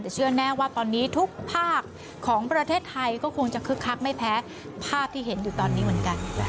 แต่เชื่อแน่ว่าตอนนี้ทุกภาคของประเทศไทยก็คงจะคึกคักไม่แพ้ภาพที่เห็นอยู่ตอนนี้เหมือนกัน